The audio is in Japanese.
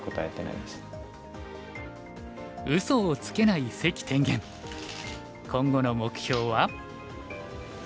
うそをつけない関天元今後の目標は？